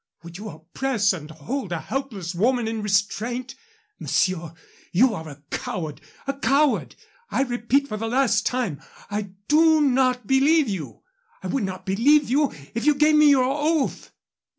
Would you oppress and hold a helpless woman in restraint? Monsieur, you are a coward! a coward! I repeat for the last time, I do not believe you. I would not believe you if you gave me your oath."